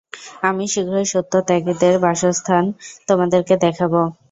আমি শীঘ্রই সত্য-ত্যাগীদের বাসস্থান তোমাদেরকে দেখাব।